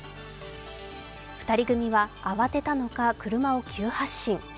２人組は慌てたのか車を急発進。